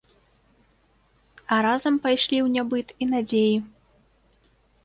А разам пайшлі ў нябыт і надзеі.